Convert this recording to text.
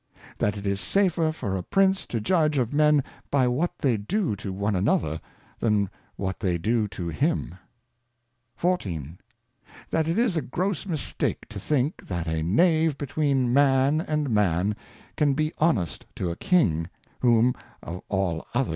That it is safer for a Prince to Judge of Men by what they do to one another, than what they do to him. 14. That it is a gross Mistake to think. That a Knave be tween Man and Man, can be honest to a King, whom, of all other.